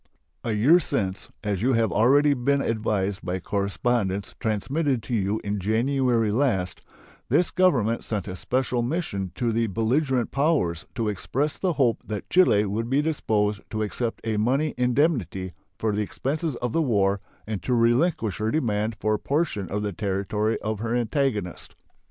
A year since, as you have already been advised by correspondence transmitted to you in January last, this Government sent a special mission to the belligerent powers to express the hope that Chile would be disposed to accept a money indemnity for the expenses of the war and to relinquish her demand for a portion of the territory of her antagonist.